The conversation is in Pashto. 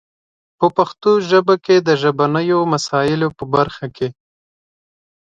په پښتو ژبه کې د ژبنیو مسایلو په برخه کې